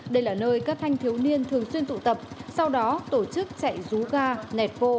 đây là nơi các thanh thiếu niên thường xuyên tụ tập sau đó tổ chức chạy rú ga nẹt vô